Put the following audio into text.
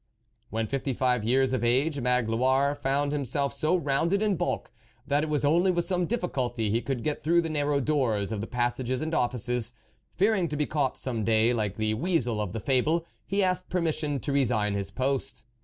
When fifty five years of age, Magloire found himself so rounded in bulk, that it was only with some difficulty he could get through the narrow doors of the passages and offices. Fearing to be caught some day like the weasel of the fable, he asked permission to resign his post.